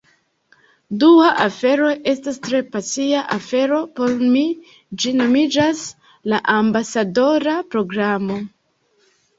Dua afero, estas tre pasia afero por mi ĝi nomiĝas "La ambasadora programo"